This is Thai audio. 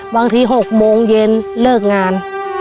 บางที๖โมงเย็นเลิกงาน